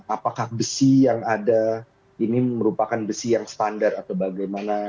apakah besi yang ada ini merupakan besi yang standar atau bagaimana